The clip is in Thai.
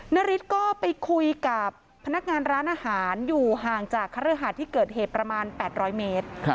นาริสก็ไปคุยกับพนักงานร้านอาหารอยู่ห่างจากคฤหาสที่เกิดเหตุประมาณ๘๐๐เมตร